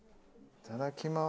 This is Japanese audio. いただきます。